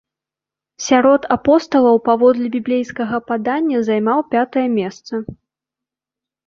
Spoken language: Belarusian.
Сярод апосталаў, паводле біблейскага падання, займаў пятае месца.